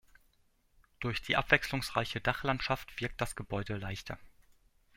Durch die abwechslungsreiche Dachlandschaft wirkt das Gebäude leichter.